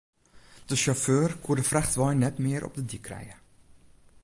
De sjauffeur koe de frachtwein net mear op de dyk krije.